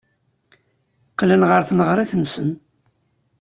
Qqlen ɣer tneɣrit-nsen.